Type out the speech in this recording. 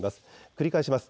繰り返します。